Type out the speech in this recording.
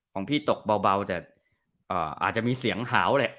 ของพี่ตกเบาแต่อาจจะมีเสียงหาวแหละ